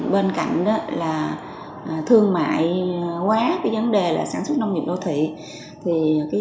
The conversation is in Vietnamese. bên cạnh thương mại hóa vấn đề sản xuất nông nghiệp đô thị